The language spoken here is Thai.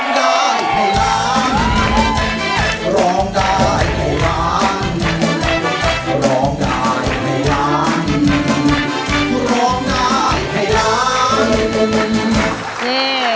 ขอบคุณวิม